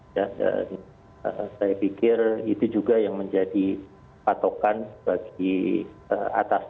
dan saya pikir itu juga yang menjadi patokan bagi atasan